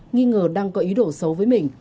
nghi ngờ đăng có ý đổ xấu với mình